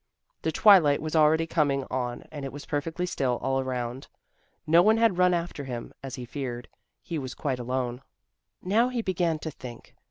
The twilight was already coming on and it was perfectly still all around. No one had run after him as he feared. He was quite alone. Now he began to think.